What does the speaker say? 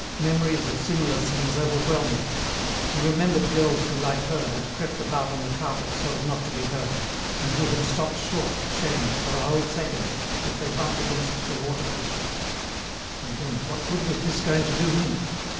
Memories of similar scenes overwhelmed him. He remembered girls who like her had crept about on the carpet so as not to be heard, and who had stopped short, ashamed, for a whole second, if they bumped against the water pitcher. And then, what good was this going to do him?